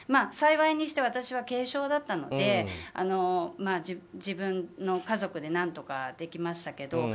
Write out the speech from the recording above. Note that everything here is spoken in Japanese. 幸いにして、私は軽症だったので自分の家族で何とかできましたけど。